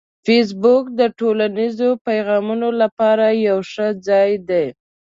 فېسبوک د ټولنیزو پیغامونو لپاره یو ښه ځای دی